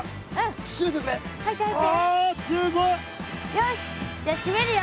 よしじゃ閉めるよ。